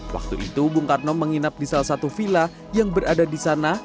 waktu itu bung karno menginap di salah satu villa yang berada di sana